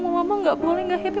mama gak boleh gak happy